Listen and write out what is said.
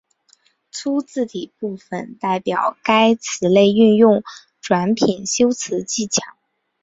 粗体字部分代表该词类是运用转品修辞技巧。